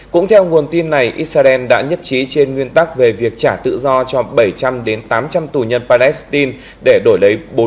cũng theo nguồn tin này israel đã nhất trí trên nguyên tắc về việc trả tự do cho bảy trăm linh tám trăm linh tù nhân palestine để đổi lấy bốn